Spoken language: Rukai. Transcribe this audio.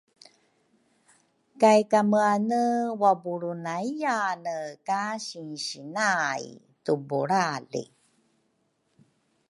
Kaykameane wabulru nayyane ka sinsi nay tubulalri